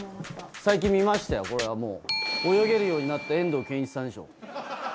最近見ましたよ、これはもう、泳げるようになった遠藤憲一さんでしょ。